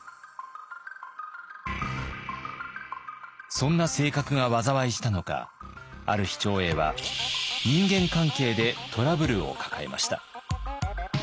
そんな性格が災いしたのかある日長英は人間関係でトラブルを抱えました。